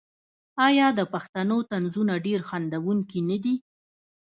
آیا د پښتنو طنزونه ډیر خندونکي نه دي؟